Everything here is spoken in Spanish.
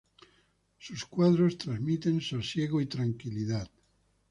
Sus cuadros transmiten sosiego y tranquilidad.